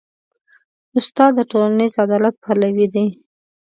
استاد د ټولنیز عدالت پلوی دی.